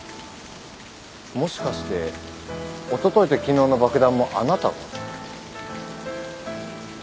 もしかしておとといと昨日の爆弾もあなたが？